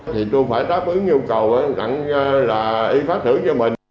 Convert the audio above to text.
thì tôi phải đáp ứng nhu cầu đặng là y phát thưởng cho mình